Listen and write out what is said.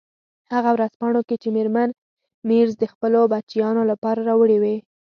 هغه ورځپاڼو کې چې میرمن مېرز د خپلو بچیانو لپاره راوړي وې.